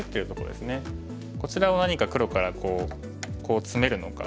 こちらを何か黒からこうツメるのか